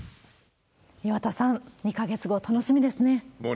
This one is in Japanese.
岩田さん、２か月後、楽しみですね。